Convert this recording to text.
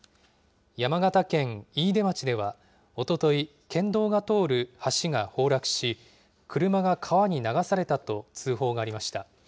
山形県飯豊町では、おととい、県道が通る橋が崩落し、車が川に流されたと通報がありました。